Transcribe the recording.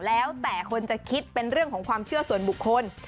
แล้วแต่คนจะคิดเป็นเรื่องของความเชื่อส่วนบุคคล